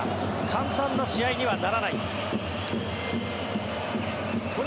簡単な試合にはならないと。